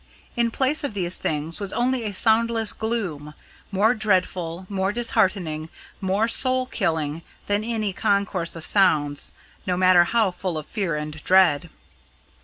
In place of these things was only a soundless gloom, more dreadful, more disheartening, more soul killing than any concourse of sounds, no matter how full of fear and dread.